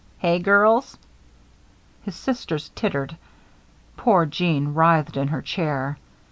Hey, girls?" His sisters tittered. Poor Jeanne writhed in her chair.